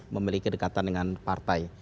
memiliki kedekatan dengan partai